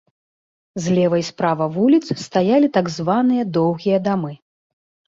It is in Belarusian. Злева і справа вуліц стаялі так званыя доўгія дамы.